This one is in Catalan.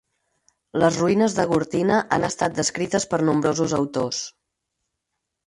Les ruïnes de Gortina han estat descrites per nombrosos autors.